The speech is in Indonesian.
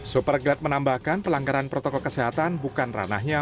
superglad menambahkan pelanggaran protokol kesehatan bukan ranahnya